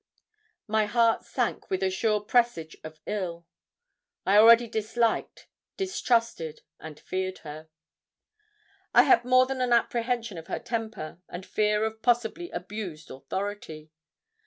My heart sank with a sure presage of ill. I already disliked, distrusted, and feared her. I had more than an apprehension of her temper and fear of possibly abused authority.